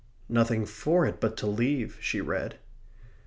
"... nothing for it but to leave," she read.